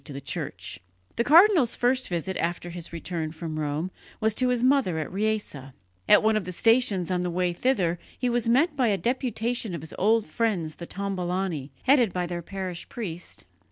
The only real patriarch in the Western Church is the pope himself. The cardinal's first visit after his return from Rome was to his mother at Riese. At one of the stations on the way thither he was met by a deputation of his old friends the Tombolani, headed by their parish priest.